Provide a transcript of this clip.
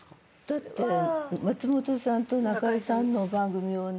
だって松本さんと中居さんの番組をね。